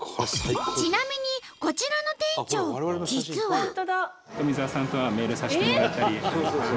ちなみにこちらの店長実は。